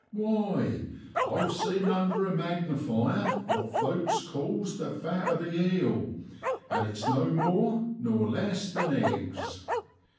Why, I've seen under a magnifier what folks calls the fat of the eel, and it's no more nor less than eggs.